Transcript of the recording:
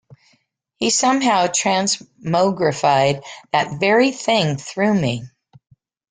He somehow transmogrified that very thing through me.